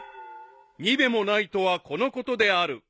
［にべもないとはこのことである］